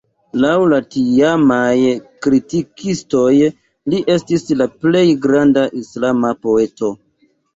Laŭ la tiamaj kritikistoj li estis la plej granda islama poeto.